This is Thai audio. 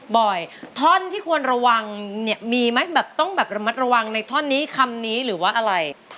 บ่อยท่อนที่ควรระวังเนี่ยมีไหมแบบต้องแบบระมัดระวังในท่อนนี้คำนี้หรือว่าอะไร